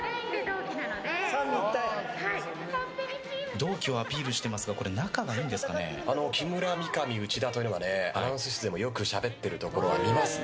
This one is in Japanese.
同期をアピールしてますが木村、三上、内田というのはアナウンス室でもよくしゃべってるところを見ますね。